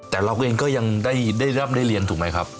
แต่เราเองก็ยังได้เรียนถูกไหมครับ